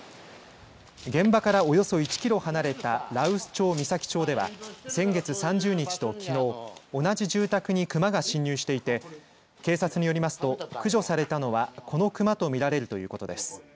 現場からおよそ１キロ離れた羅臼町岬町では先月３０日と、きのう同じ住宅にクマが侵入していて警察によりますと駆除されたのはこのクマとみられるということです。